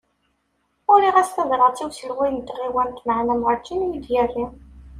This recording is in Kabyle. Uriɣ-as tabrat i uselway n tɣiwant maɛna warǧin iyi-d-yerra.